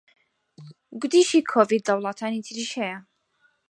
گوتیشی کۆڤید لە وڵاتانی تریش هەیە